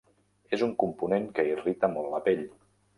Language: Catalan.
És un component que irrita molt la pell.